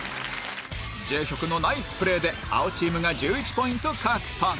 ジェヒョクのナイスプレーで青チームが１１ポイント獲得